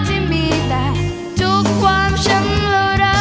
ที่มีแต่ทุกความฉันเหล่ารัก